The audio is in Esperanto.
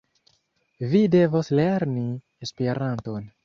Vi devos lerni Esperanton.